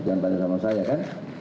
jangan balik sama saya kan